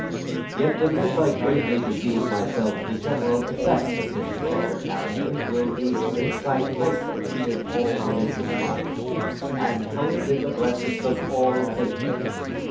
Yet, unless I greatly deceive myself, the general effect of this chequered narrative will be to excite thankfulness in all religious minds, and hope in the breasts of all patriots.